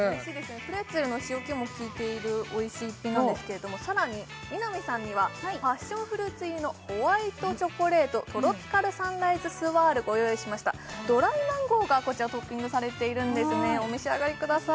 プレッツェルの塩気も効いているおいしい一品なんですけれどもさらに南さんにはパッションフルーツ入りのホワイトチョコレートトロピカルサンライズスワールご用意しましたドライマンゴーがこちらトッピングされているんですねお召し上がりください